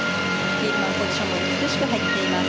ビールマンポジションも美しく入っています。